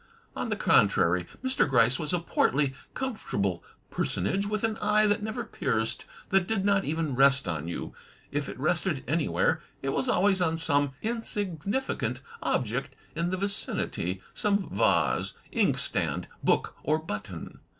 On the contrary, Mr. Gryce was a portly, comfortable personage with an eye that never pierced, that did not even rest on you. If it rested anywhere, it was always on some insignificant object in the vicinity, some vase, inkstand, book, or button.